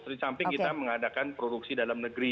di samping kita mengadakan produksi dalam negeri